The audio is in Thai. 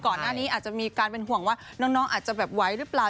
ก่อนหน้านี้อาจจะมีการเป็นห่วงว่าน้องอาจจะแบบไว้หรือเปล่า